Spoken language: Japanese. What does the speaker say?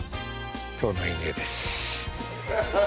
今日の演芸です。